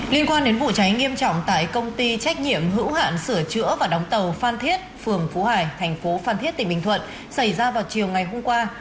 liên quan đến vụ cháy nghiêm trọng tại công ty trách nhiệm hữu hạn sửa chữa và đóng tàu phan thiết phường phú hải thành phố phan thiết tỉnh bình thuận xảy ra vào chiều ngày hôm qua